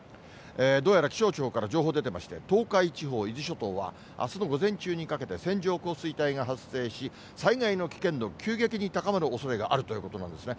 どうやら気象庁から情報出てまして、東海地方、伊豆諸島は、あすの午前中にかけて、線状降水帯が発生し、災害の危険度が急激に高まるおそれがあるということなんですね。